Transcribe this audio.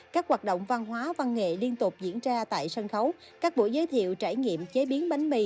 các hoạt động văn hóa văn nghệ liên tục diễn ra tại sân khấu các buổi giới thiệu trải nghiệm chế biến bánh mì